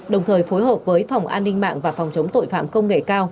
đồng thời phối hợp với phòng an ninh mạng và phòng chống tội phạm công nghệ cao